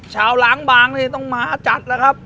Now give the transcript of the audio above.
ชาวล้างบางนี่ต้องมาจัดนะครับ